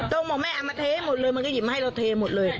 บอกแม่เอามาเทให้หมดเลยมันก็หยิบมาให้เราเทหมดเลย